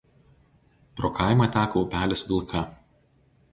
Pro kaimą teka upelis Vilka.